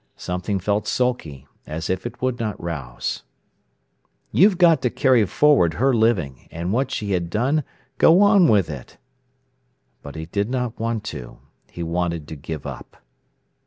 Something felt sulky, as if it would not rouse. "You've got to carry forward her living, and what she had done, go on with it." But he did not want to. He wanted to give up.